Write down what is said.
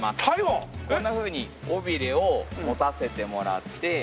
こんなふうに尾びれを持たせてもらって。